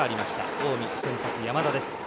近江、先発、山田です。